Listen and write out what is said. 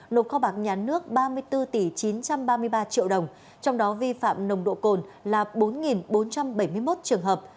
nộp kho bạc nhà nước ba mươi bốn chín trăm ba mươi ba triệu đồng trong đó vi phạm nồng độ cồn là bốn bốn trăm bảy mươi một trường hợp